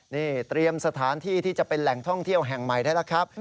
นี่เตรียมสถานที่ที่จะเป็นแหล่งท่องเที่ยวแห่งใหม่ได้แล้วครับ